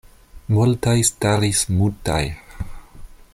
Multaj staris mutaj.